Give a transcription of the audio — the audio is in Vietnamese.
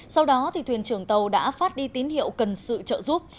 sau đó thuyền trưởng tàu đã phát đi tín hiệu cần sự trợ giúp